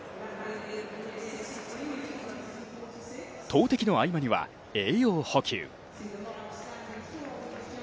投てきの合間には栄養補給。